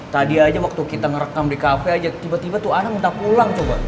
tadi aja waktu kita ngerekam di kafe aja tiba tiba tuh anak minta pulang coba